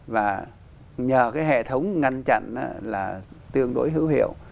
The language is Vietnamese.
và nhờ cái hệ thống ngăn chặn là tương đối hữu hiệu